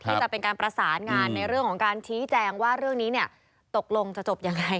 ที่จะเป็นการประสานงานในเรื่องของการชี้แจงว่าเรื่องนี้เนี่ยตกลงจะจบยังไง